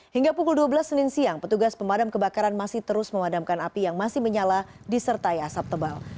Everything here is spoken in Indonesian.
hingga pukul dua belas senin siang petugas pemadam kebakaran masih terus memadamkan api yang masih menyala disertai asap tebal